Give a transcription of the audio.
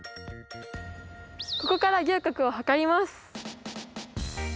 ここから仰角を測ります。